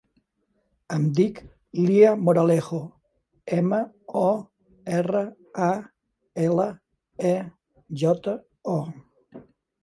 Em dic Leah Moralejo: ema, o, erra, a, ela, e, jota, o.